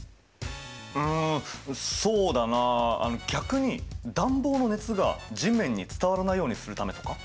うんそうだな逆に暖房の熱が地面に伝わらないようにするためとか？